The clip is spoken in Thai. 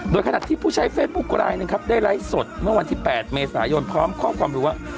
โดยขณะที่ผู้ใช้เฟซบุ๊คลายหนึ่งครับได้ไลฟ์สดเมื่อวันที่๘เมษายนพร้อมข้อความรู้ว่า